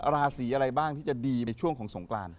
ราศีอะไรบ้างที่จะดีในช่วงของสงกราน